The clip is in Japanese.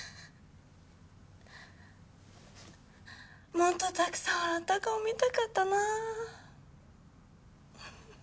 もっとたくさん笑った顔見たかったな。